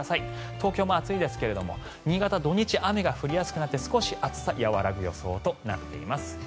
東京も暑いですが新潟、土日は雨が降りやすくなって少し暑さが和らぐ予想となっています。